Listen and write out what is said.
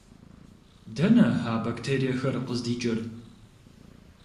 Дэнэ а бактериехэр къыздикӏыр?